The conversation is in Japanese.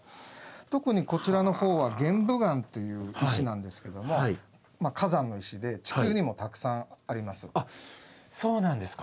特にこちらのほうは玄武岩という石なんですけどもあっそうなんですか。